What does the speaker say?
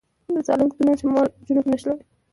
د سالنګ تونل شمال او جنوب نښلوي